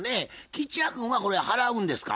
吉弥君はこれ払うんですか？